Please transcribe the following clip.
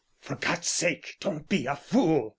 "For God's sake, don't be a fool!